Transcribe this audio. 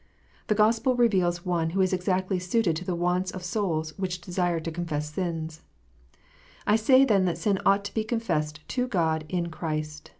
The Gospel reveals One who is exactly suited to the wants of souls which desire to confess sin. I say then that sin ought to be confessed to God in Christ.